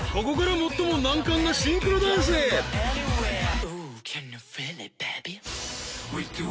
ここから最も難関なシンクロダンスへ！